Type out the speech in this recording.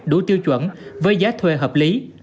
đủ tiêu chuẩn với giá thuê hợp lý